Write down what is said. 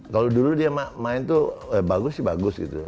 kalau dulu dia main tuh bagus sih bagus gitu